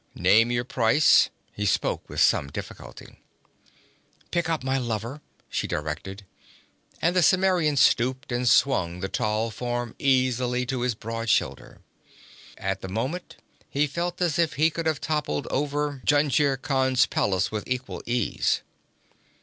'Name your price.' He spoke with some difficulty. 'Pick up my lover,' she directed, and the Cimmerian stooped and swung the tall form easily to his broad shoulder. At the moment he felt as if he could have toppled over Jungir Khan's palace with equal ease.